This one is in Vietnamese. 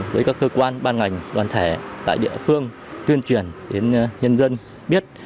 với các cơ quan ban ngành đoàn thể tại địa phương tuyên truyền đến nhân dân biết